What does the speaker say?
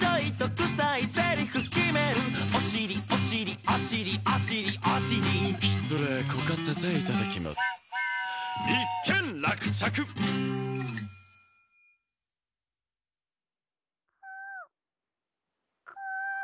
「くさいセリフ決める」「おしりおしりおしりおしりおしり」「しつれいこかせていただきますプスー！！」「一件落着！！」・クンクン。